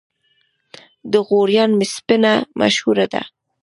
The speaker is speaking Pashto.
د غوریان وسپنه مشهوره ده